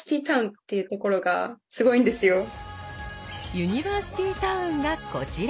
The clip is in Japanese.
ユニバーシティータウンがこちら。